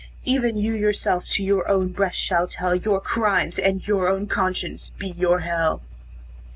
Even you yourself to your own breast shall tell Your crimes, and your own conscience be your hell."